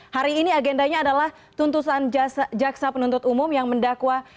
hari ini agendanya adalah tuntutan jaksa penuntut umum yang mendakwa